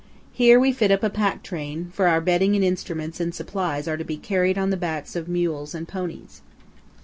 Here we fit up a pack train, for our bedding and instruments and supplies are to be carried on the backs of mules and ponies.